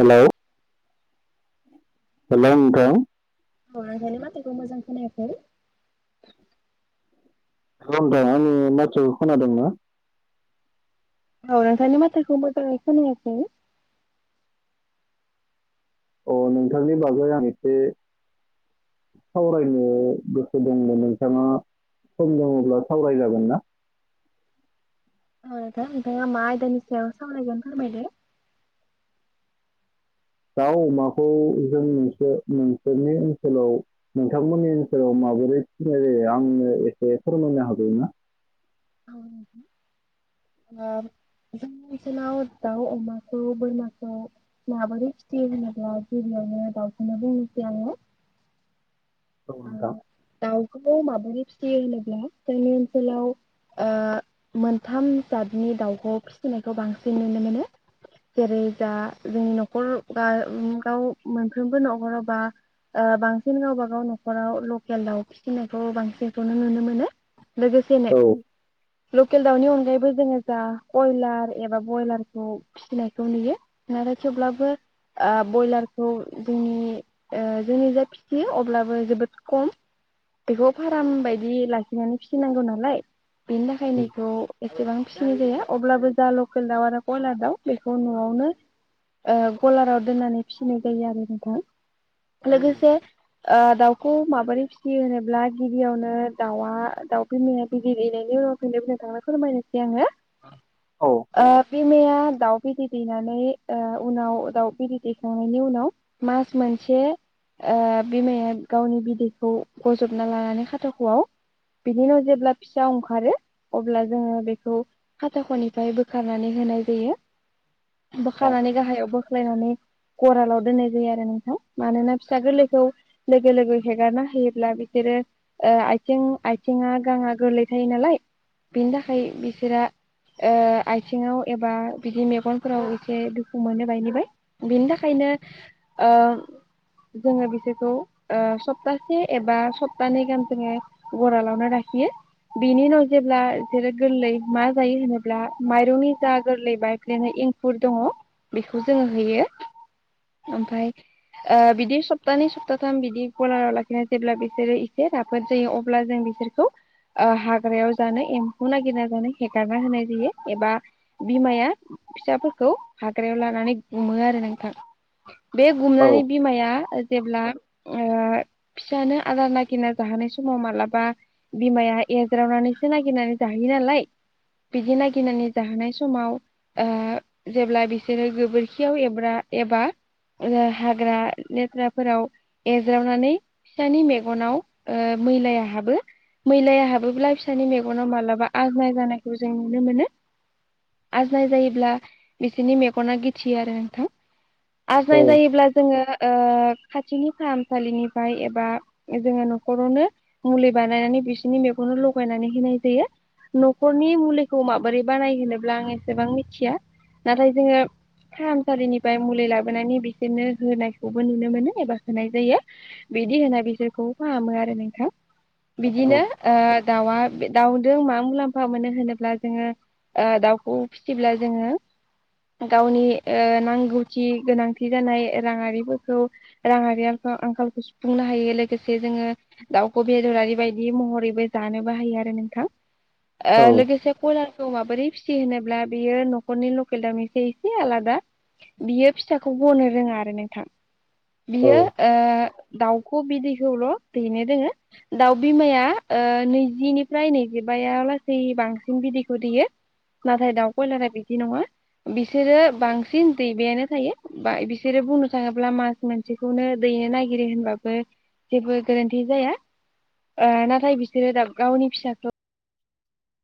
Hello. Hello नोथां। अ नोंथांनि माथोखौ मोजां खोनायाखै? अ नोथां आंनि माथोखौ खोनादोंना? औ नोंथांनि माथोखौ मोजाङै खोनायाखै? अ नोंथांनि बागै आं एसे सावरायनो गोसो दंमोन नोंथाङा सम दङब्ला सावराय जागोन ना? अ नोंथां नोंथांआ मा आयदानि सावाय सावरागोन फोरमायदो। दाउ, अमाखौ जों मोनसे नोंसोरनि ओनसोलाव नोंथांमोननि ओनसोलाव माबोरै फिनाय जायो आंनो एसे फोरमायनो हागोन ना? ओ जोंनि ओनसोलाव दाउ, अमाखौ बोरमाखौ माबोरै फिसियो होनोब्ला गिबियावनो दाउखौनो बुंनोसै आङो। औ नोंथां। खौबो माबोरै फिसियो होनोब्ला जोंनि ओनसोलाव ओ मोन्थाम जादनि दाउखौ फिसिनायखौ बांसिन नुनो मोनो। जेरै जा जोंनि नखर बा गाव मोनफ्रोमबो नखराव ओ बा बांसिन गावबागाव न खराव लकेल दाउ फिसिनायखौ बांसिनखौनो नुनो मोनो। लोगोसेनो औ ल केल दाउनि अनगायैबो जोङो जा कयलार एबा बयलारखौ फिसिनायखौ नुयो। नाथाय थेवब्लाबो ओ बयलारखौ जोंनि ओ जोंनिजाय फिसियो अब्लाबो जोबोद खम। बेखौ फार्म बायदि लाखिनानै फिसिनांगौ नालाय बिनि थाखायनो इखौ एसेबां फिसिनाय जाया अब्लाबो जा लकेल दाउ आरो कयलार दाउ बेखौ ओ नआवनो गलाराव दोननानै फिसिनाय जायो आरो नोंथां। लोगोसे ओ दाउ खौ माबोरै फिसियो होनोब्ला गिबियावनो दाउआ दाउ बिमाया बिदै दैनायनि उनाव फायनो नोंथांनो फोरमायनोसै आङो। औ ओ बिमाया दाउ बिदै दैनानै ओ उनाव दाउ बिदै दैखांनायनि उनाव मास मोनसे ओ बिमाया गावनि बिदैखौ बजबना लानानै खाथाख'आव बिनि उनाव जेब्ला फिसा ओंखारो अब्ला जोङो बेखौ खाथाख'निफ्राय बोखारनानै होनाय जायो। बोखानानै गाहायाव बोख्लायनानै गरालाव दोननाय जायो आरो नोंथां मानोना फिसा गोरलैखौ लोगो लोगो हेगारना होयोब्ला बिसोरो आथिं आथिङा गाङा गोरलै थायो नालाय बिनि थाखाय बिसोरो आथिङाव एबा बिदि मेगनफोराव एसे दुखु मोनो बायनिबाय बिनि थाखायनो जोङो बिसोरखौ। सप्तासे एबा सप्तानै गाहाम जोङो गरालावनो लाखियो बिनि उनाव जेब्ला जेरै गोरलै मा जायो होनोब्ला माइरंनि जा गोरलै बायफ्लेनाय बिदिनो एंखुर दङ बेखौ जोङो हैयो ओमफ्राय बिदि सप्तानै सप्ताथाम। साम बिदि गलाराव लाखिनानै जेब्ला बिसोरो एसे राफोद जायो अब्ला जों बिसोरखौ ओ हाग्रायाव जानो एम्फौ नागिरना जानो हेगारना होनाय जायो एबा बिमाया फिसाफोरखौ हाग्रायाव लानानै गुमो आरो नोंथां। बे औ गुमनानै बिमाया जेब्ला। ओ फिसानो आदार नागिरना जाहोनाय समाव मालाबा बिमाया एज्रावनानैसो नागिरनानै जाहोयो नालाय बिदि नागिरनानै जाहोनाय समाव ओ जेब्ला बिसोरो गोबोरखियाव एब्रा एबा हाग्रा लेथ्राफोराव एज्रावनानै फिसानि मेगनाव ओ मैलाया हाबो मैलाया हाबोब्ला फिसानि मेगनाव माब्लाबा आजनाय जानायखौ जों नुनो मोनो आजनाय जायोब्ला बिसोरनि मेगना गोथियो आरो नोंथां। आजनाय औ जायोब्ला जोङो ओ खाथिनि फाहामसालिनिफ्राय एबा जोङो न'खरावनो मुलि बानायनानै बिसोरनि मेगननो लगायनानै होनाय जायो। न'खरनि मुलिखौ माबोरै बानाय होनोब्ला आं एसेबां मिथिया नाथाय जोङो फाहामसालिनिफ्राय मुलि लाबोनानै बिसोरनो होनायखौबो नुनो मोनो एबा होनाय जायो बिदि होना बिसोरखौ फाहामो आरो नोंथां। औ बिदिनो ओ। दाउआ बे दाउजों मा मुलाम्फा मोनो होनोब्ला जोङो ओ दाउखौ फिसिब्ला जोङो गावनि ओ नांगौथि गोनांथि जानाय राङारिफोरखौ राङारिखाल आंखालखौ सुफुंनो हायो लोगोसे जोङो दाउखौ बेदरारि बायदि महरैबो जानोबो हायो आरो नोंथां। लोगोसे कयलारखौ माबोरै फिसि होनोब्ला बियो न'खरनि लकेल दावनिसे एसे आलादा बियो फिसाखौ गनो रोङा आरो नोंथां। औ बियो ओ दाउ ख' बिदैखौल' दैनो दोङो दाउ बिमाया नैजिनिफ्राय नैजिबाया लासै बांसिन बिदैखौ दैयो नाथाय दाउ कयलारा बिदि नङा बिसोरो बांसिन दैबायानो थायो ब बिसोरो बुंनो थाङोब्ला मास मोनसेखौनो दैनो नागिरो होनबाबो जेबो गोरोन्थि जाया ओ नाथाय बिसोरो दा गावनि फिसाखौ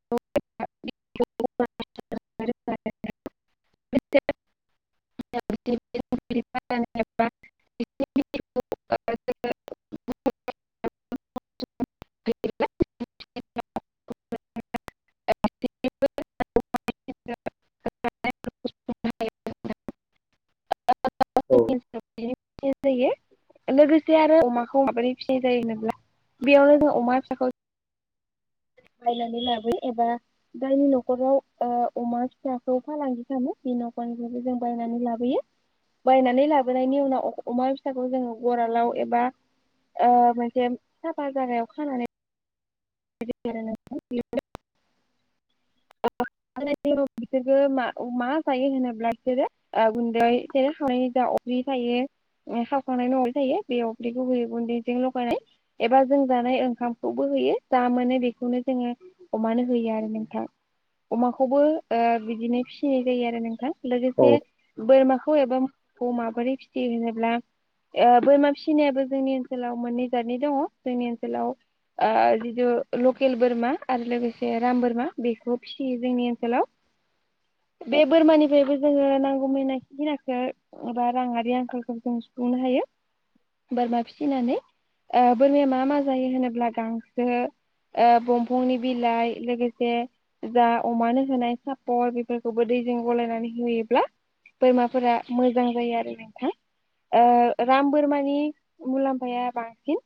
[unintelligible] [unintelligible] [unintelligible] औ फिसिनाय जायो लोगोसे आरो अमाखौ माबोरै फिसिनाय जायो होनोब्ला बेयावनो जों अमा फिसाखौ बायनानै लाबोयो एबा जायनि न'खराव ओ अमा फिसाखौ फालांगि खालामो बे न'खरनिफ्रायबो जों बायनानै लाबोयो बायनानै लाबोनायनि उनाव अमा फिसाखौ जोङो गरालाव एबा ओ मोनसे साफा जागायाव खानानै बिसोर आरो नोंथां बियो औ अ [unintelligible] बिसोरबो मा मा जायो होनोब्ला बिसोरो ओ गुन्दै सेर खावनायनि जा अफ्रि थायो ओ खावखांनायनि थायो बे अफ्रिखौ होयो गुन्दैजों लगायनाय एबा जों जानाय ओंखामखौबो होयो। जा मोनो बेखौनो जोङो अमानो होयो आरो नोंथां अमाखौबो ओ बिदिनो फिसिनाय जायो आरो नोंथां। औ लोगोसे बोरमाखौ एबा अ माबोरै फिसियो होनोब्ला बोरमा फिसिनायाबो जोंनि ओनसोलाव मोननै जादनि दङ जोंनि ओनसोलाव ओ जो लकेल बोरमा आरो लोगोसे राम बोरमा बेखौ फिसियो जोंनि ओनसोलाव, बे बोरमानिफ्रायबो जोङो नांगौ मैना खिनाखौ बा राङारि आंखालखौ जों सुफुंनो हायो, बोरमा फिसिनानै ओ बोरमाया मा मा जायो होनोब्ला गांसो जोङो दंफांनि बिलाइ लोगोसे जा अमानो होनाय सापर बेफोरखौबो दैजों गलायनानै होयोब्ला बोरमाफोरा मोजां जायो आरो नोंथां राम बोरमानि मुलाम्फाया बांसिन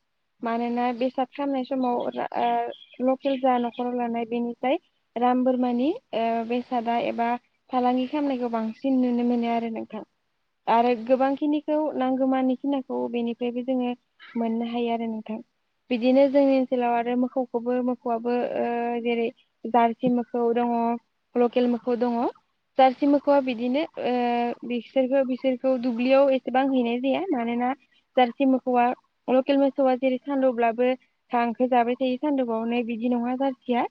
मानोना। बेसाद खाम अ रा ओ लकेल जा न'खराव लानाय बेनिफ्राय राम बोरमानि ओ बेसादा एबा फालांगि खालामनायखौ बांसिन नुनो मोनो आरो नोंथां आरो गोबां खिनिखौ नांगौमानि खिनाखौ बेनिफ्रायबो जोङो मोननो हायो आरो नोंथां बिदिनो जोंनि ओनसोलाव आरो मोखौबो मोखौआबो जेरै जार्सि मोखौ दङ लकेल मोखौ दङ जार्सि मोखौआ बिदिनो ओ बिसोरखौ बिसोरखौ दुब्लियाव एसेबां हैनाय जाया मानोना जार्सि मोखौआ लकेल मोसौआ जेरै सानदौब्लाबो गांसो जाबाय थायो सानदुंफआवनो बिदि नङा जारसिया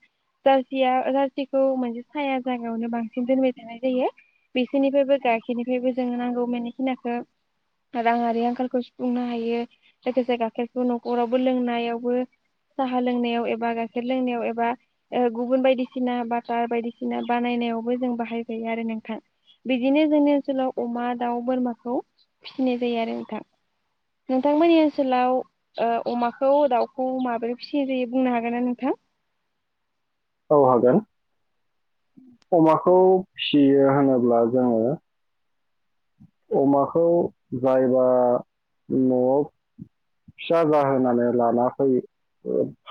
जार्सिया जार्सिखौ मोनसे साया जायगायावनो बांसिन दोनबाय थानाय जायो बिसोरनिफ्रायबो गाइखेरनिफ्रायबो जों नांगौ मानिखिनिखौ राङारि आंखालखौ सुफुंनो हायो लोगोसे गाइखेरखौ न'खरावबो लोंनायावबो। साहा लोंनायाव एबा गाइखेर लोंनायाव एबा ओ गुबुन बायदिसिना बाटार बायदिसिना बानायनायावबो जों बाहाय जायो आरो नोंथां बिदिनो जोंनि ओनसोलाव अमा दाउ बोरमाखौ फिसिनाय जायो आरो नोंथां नोंथांमोननि ओनसोलाव ओ अमाखौ दाउ खौ माबोरै फिसिग्रयो बुंनो हागोन ना नोंथां। औ हागोन। अमा खौ फियो होनोब्ला जोङो। अमाखौ जायबा न'आव फिसा जाहोनानै लाना फै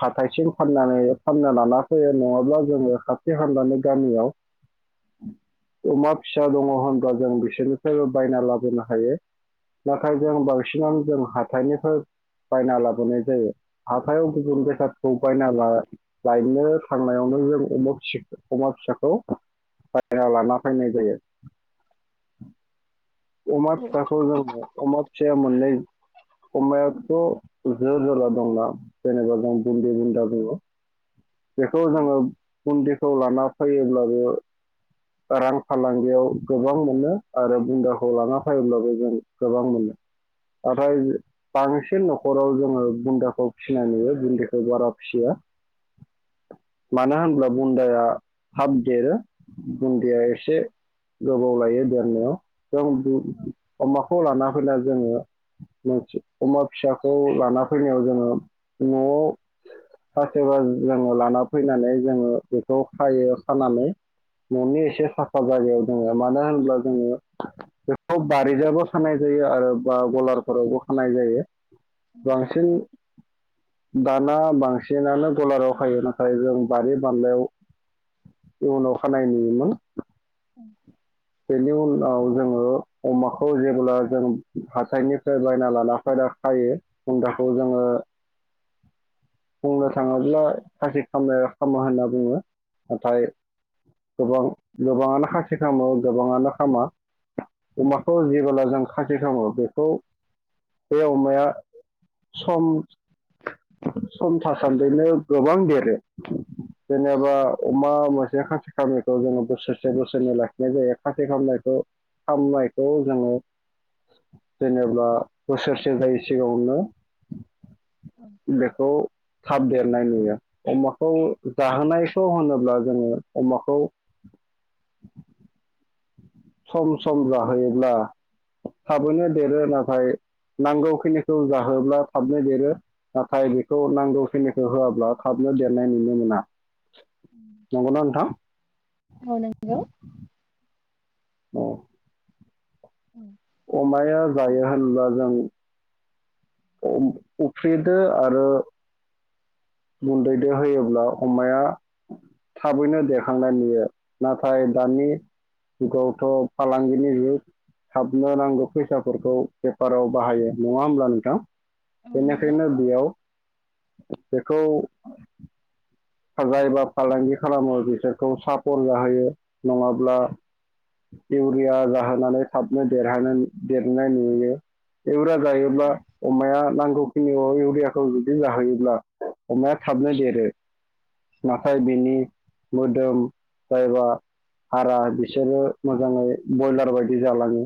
हाथायसिम फाननानै फानना लाना फैयो नङाब्ला जोङो खाथि हानजानि गामियाव अमा फिसा दङ' होनब्लाा जों बिसोर फोरबो बायना लाबोनो हायो। नाथाय जों बांसिनानो जों हाथ हाथायनिफ्राय बायना लाबोनाय जायो। आखायाव गुबुन [unintelligible] बायना लायनो थांनायावनो जों अमा फिसाखो अमा फिसाखौ बायना लाना फैनाय जायो। अमा फिसाखौ जोंनो अमा फिसाया मोननै अमायाथ' जो जोला दंना जेनेबा जों बुदि बुन्दा बुङो। बेखौ जोङो बुन्दिखौ लाना फैयोब्लाबो रां फालांगियाव गोबां मोनो आरो बुन्दाखो खौ लाना फैब्लाबो जों गोबां मोनो नाथाय बांसिन न'खराव जोङो बुन्दाखौ फिसिनाय नुयो बुन्दिखौ बारा फिया मानो होनब्ला बुन्दाया थाब देरो। देहाय एसे लब गोबाव लायो देरनायाव। जों बि अमाखौ लाना फैना जोङो मोन अमा फिसाखौ लाना फैनायाव जोङो न'आव सासेबा जोङो लाना फैनानै जोङो बेखौ खायो खानानै न'नि एसे साफा जायगायाव दोङो मानो होनब्ला जोङो बेखौ बारिजाबो खानाय जायो आरो बा गलारफोरावबो खानाय जायो। बांसिन दाना बांसिनानो गलाराव खायो नाथाय जों बारि बालायाव इयनाव खानाय नुयोमोन। बेनि उन आव जोङो अमाखौ जेब्ला जों हाथायनिफ्राय बायना लाना फायना खायो बुन्दाखौ जोङो बुंनो थाङोब्ला खासि खालामनाय खामो होनना बुङो नाथाय गोबां गोबाङानो खासि खालामो गोबाङानो खामा। अमाखौ जेबोला जों खासि खामो बेखौ बे अमाया सम सम थासान्दिनो गोबां देरो जेनेबा अमा मासे खासि खामो ओ जोङो बोसोरसे बोसोरनै लाखिनाय जायो खासि खामनायखो खामनायखौ जोङो जेनेबा बोसोरसे जायै सिगाङावनो बेखौ थाब देरनाय नुयो अमाखौ जाहोनायखौ होनोब्ला जोङो अमाखौ सम सम जाहोयोब्ला थाबैनो देरो नाथाय नांगौखिनिखौ जाहोब्ला थाबनो देरो नाथाय बेखौ नांगौखिनिखौ होआब्ला थाबनो देरनाय नुनो मोना। नंगौना नोंथां औ नंगौ। औ। उम। अमाया जायो होनब्ला जों अम उफ्रिदो आरो गुन्दैदो होयोब्ला अमाया थाबैनो देखांनाय नुयो नाथाय दानि जुगावथ' फालांगिनि जुग हाबनो नांगौ फैसाफोरखौ बेफाराव बाहायो नङा होमब्ला नोंथां? नंगौ बेनिखायनो बेयाव बेखौ जाय बा फालांगि खालामो बिसोरखौ सापर जाहोयो नङाब्ला इउरिया जाहोनानै थाबनो देरहानो देरनाय नुयो इउरिया जायोब्ला अमाया नांगौ खिनियाव इउरियाखौ जुदि जाहोयोब्ला अमाया थाबनो देरो। नाथाय बिनि मोदोम जायबा हारा बिसोरो मोजाङै बयलार बायदि जालाङो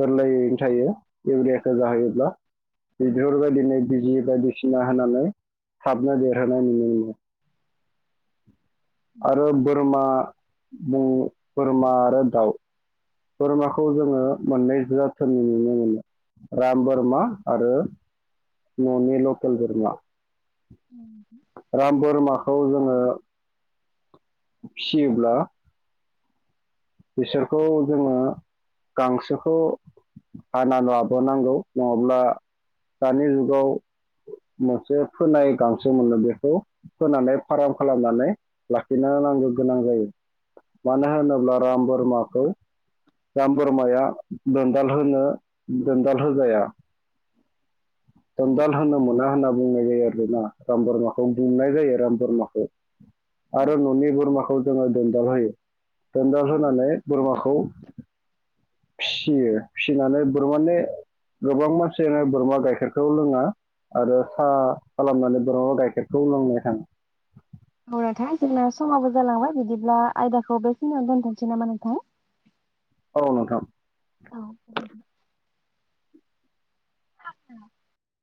गोरलैयैनो थायो इउरियाखौ जाहोयोब्ला बेफोरबायदिनो बिजि बायदिसिना होनानै थाबनो देरहोनाय नुनो मोनो। आरो बोरमा आ म' बोरमा आरो दाउ बोरमाखौ जोङो मोननै जाथोननि नुनो मोनो राम बोरमा आरो न'नि लकेल बोरमा। उम। खौ जोङो फियोब्ला बिसोरखौ जोङो गांसोखौ हाना लाबोनांगौ नङाब्ला दानि जुगाव मोनसे फोनाय गांसो मोनो बेखौ फोनानै फार्म खालामनानै लाखिनो नांगौ गोनां जायो मानो होनोब्ला राम बोरमाखौ राम बोरमाया दोनदाल होनो दोनदाल होजाया। दोन्दाल होनो मोना होनना बुंनाय जायो आरोना राम बोरमाखौ गुमनाय जायो राम बोरमाखौ। आरो न'नि बोरमाखौ जोङो दोनदाल होयो। औ औ। होनानै बोरमाखौ फिसियो फिसिनानै बोरमानि गोबां मानसियानो बोरमा गाइखेरखौ लोङा आरो साहा खालामनानै बोरमा गाइखेरखौ लोंनाय हां औ नोंथां जोंना समाबो जालांबाय बिदिब्ला आयदाखौ बेखिनियाव दोनथ'नोसै नामा नोंथां? औ नोंथां। औ गोजोनथों। [inaudible]